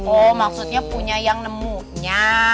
oh maksudnya punya yang nemunya